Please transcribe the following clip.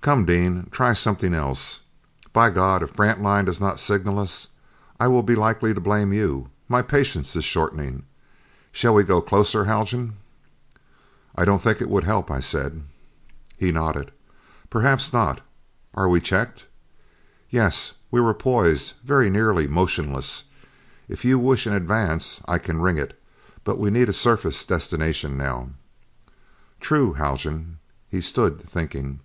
Come, Dean, try something else. By God, if Grantline does not signal us, I will be likely to blame you my patience is shortening. Shall we go closer, Haljan?" "I don't think it would help," I said. He nodded. "Perhaps not. Are we checked?" "Yes." We were poised very nearly motionless. "If you wish an advance, I can ring it. But we need a surface destination now." "True, Haljan." He stood thinking.